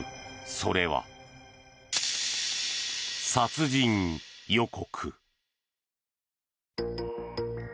それは、殺人予告。